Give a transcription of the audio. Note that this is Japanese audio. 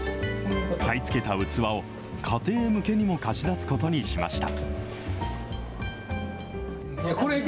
買い付けた器を家庭向けにも貸し出すことにしました。